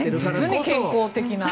実に健康的な。